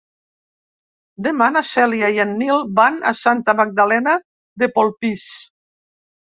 Demà na Cèlia i en Nil van a Santa Magdalena de Polpís.